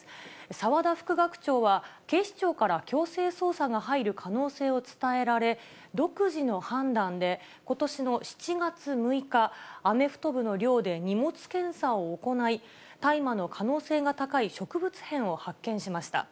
澤田副学長は警視庁から強制捜査が入る可能性が伝えられ、独自の判断でことしの７月６日、アメフト部の寮で荷物検査を行い、大麻の可能性が高い植物片を発見しました。